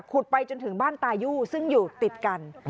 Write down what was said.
ไปจนถึงบ้านตายู่ซึ่งอยู่ติดกัน